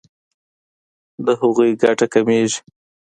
د هغوی ګټه کمیږي.